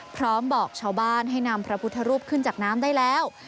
บอกชาวบ้านให้นำพระพุทธรูปขึ้นจากน้ำได้แล้ว